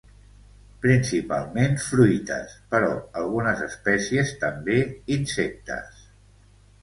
Principalment fruites, però algunes espècies també insectes.